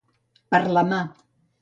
Per la mà.